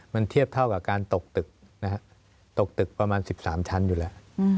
มันเทียบเท่ากับการตกตึกตกตึกประมาณ๑๓ชั้นอยู่แล้ว